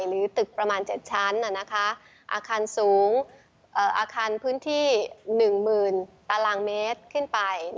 หรือตึกประมาณ๗ชั้นอาคารสูงอาคารพื้นที่๑๐๐๐ตารางเมตรขึ้นไป